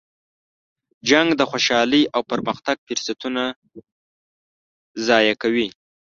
جنګ د خوشحالۍ او پرمختګ فرصتونه ضایع کوي.